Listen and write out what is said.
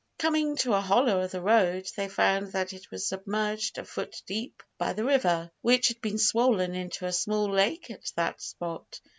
Coming to a hollow of the road, they found that it was submerged a foot deep by the river, which had been swollen into a small lake at that spot.